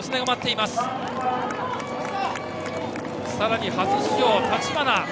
さらに初出場、橘。